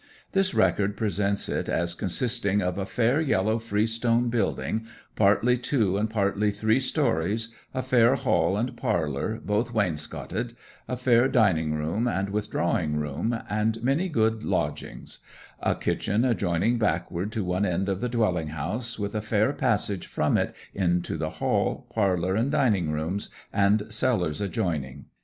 This record presents it as consisting of 'a faire yellow freestone building, partly two and partly three storeys; a faire halle and parlour, both waynscotted; a faire dyning roome and withdrawing roome, and many good lodgings; a kitchen adjoyninge backwarde to one end of the dwelling house, with a faire passage from it into the halle, parlour, and dyninge roome, and sellars adjoyninge.